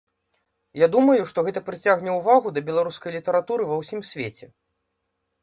Я думаю, што гэта прыцягне ўвагу да беларускай літаратуры ва ўсім свеце.